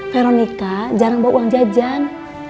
veronica jarang bawa uang jajan